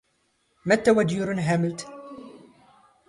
ⵎⴰⵜⵜⴰ ⵡⴰⴷ ⵢⵓⵔⵓⵏ ⵀⴰⵎⵍⵜ?